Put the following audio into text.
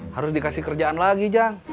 harus dikasih kerjaan lagi jang